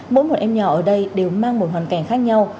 mỗi một em nhỏ ở đây đều mang một hoàn cảnh khác nhau